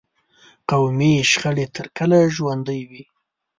قومي شخړې تر کله ژوندي وي.